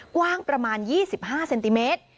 กว้างประมาณ๒๕เซนติเมตร